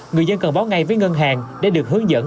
người dân cần báo ngay với ngân hàng để được hướng dẫn